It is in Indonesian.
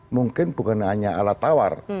mungkin bukan hanya alat tawar